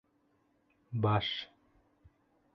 Баш